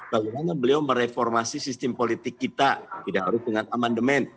bagaimana beliau mereformasi sistem politik kita tidak harus dengan amandemen